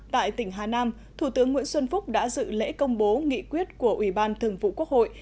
tại tỉnh hà nam thủ tướng nguyễn xuân phúc đã dự lễ công bố nghị quyết của ủy ban thường vụ quốc hội